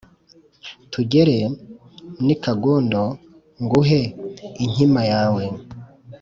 tugere n’ i kagondo nguhe inkima yawe.’